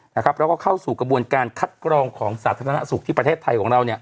แล้วก็เข้าสู่กระบวนการคัดกรองของสาธารณสุขที่ประเทศไทยของเรา